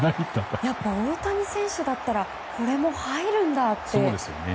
やっぱり大谷選手だったらこれも入るんだって。